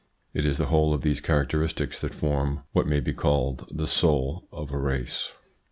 It is the whole of these characteristics that form what may be called the soul of a race.